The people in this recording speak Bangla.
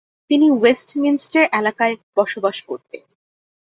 তিনি ওয়েস্টমিনস্টার এলাকায় বসবাস করতেন।